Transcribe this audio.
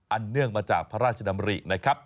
เนื่องมาจากพระราชดำรินะครับ